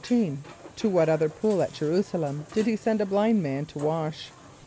= To what other pool at J[+e] r[u:]´s[+a] l[)e]m did he send a blind man to wash?